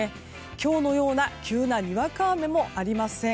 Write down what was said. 今日のような、急なにわか雨もありません。